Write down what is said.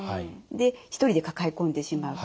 で一人で抱え込んでしまう。